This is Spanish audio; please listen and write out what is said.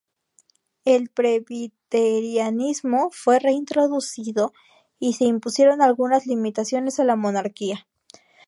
El presbiterianismo fue reintroducido y se impusieron algunas limitaciones a la monarquía.